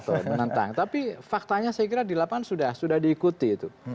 betul menentang tapi faktanya saya kira di lapangan sudah diikuti itu